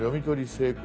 成功